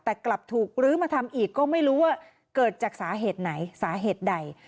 แต่กลับถูกลื้อมาทำอีกก็ไม่รู้ว่าเกิดจากสาเหตุไหนสาเหตุใด